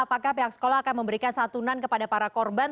apakah pihak sekolah akan memberikan santunan kepada para korban